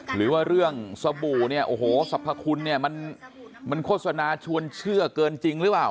หรือว่าเรื่องสบู่สรรพคุณมันโฆษณาชวนเชื่อเกินจริงหรือเปล่า